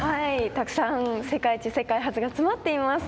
たくさん世界一・世界初が詰まっています。